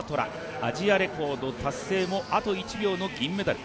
虎アジアレコード達成もあと１秒の銀メダル。